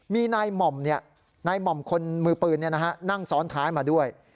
มีนายหม่อมเนี่ยนายหม่อมคนมือปืนเนี่ยนะฮะนั่งซ้อนค้ายมาด้วย